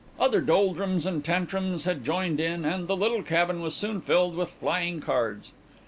Other Doldrums and Tantrums had joined in and the little cabin was soon filled with flying cards.